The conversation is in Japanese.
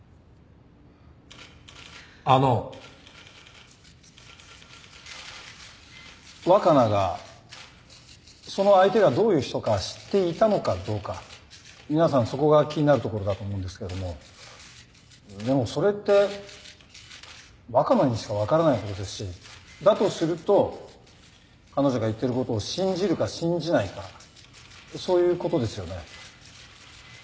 あの若菜がその相手がどういう人か知っていたのかどうか皆さんそこが気になるところだと思うんですけれどもでもそれって若菜にしか分からないことですしだとすると彼女が言ってることを信じるか信じないかそういうことですよね？